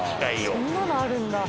そんなのあるんだ。